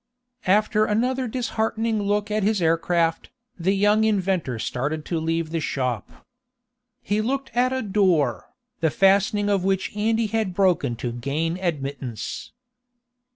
After another disheartening look at his air craft, the young inventor started to leave the shop. He looked at a door, the fastening of which Andy had broken to gain admittance.